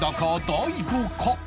大悟か？